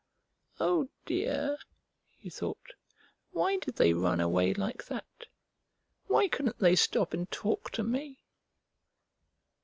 "Oh, dear!" he thought. "Why did they run away like that? Why couldn't they stop and talk to me?"